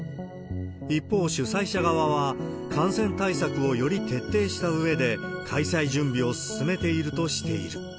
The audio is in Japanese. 一方、主催者側は、感染対策をより徹底したうえで、開催準備を進めているとしている。